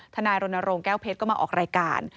นายรณรงค์แก้วเพชรก็มาออกรายการ